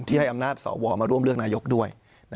ให้อำนาจสวมาร่วมเลือกนายกด้วย